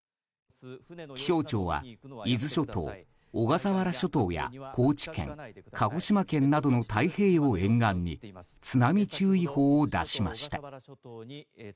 気象庁は伊豆諸島、小笠原諸島や高知県、鹿児島県などの太平洋沿岸に津波注意報を出しました。